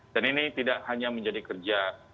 dan ini tidak hanya menjadi kerja